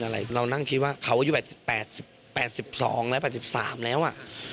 ๒๒แล้ว๘๓แล้วอะ